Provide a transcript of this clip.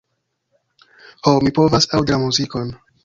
Ho, mi povas aŭdi la muzikon.